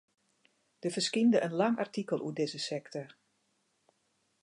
Der ferskynde in lang artikel oer dizze sekte.